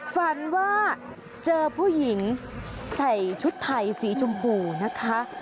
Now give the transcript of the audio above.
ฝันว่าเจอผู้หญิงใส่ชุดไทยสีชมพูนะคะ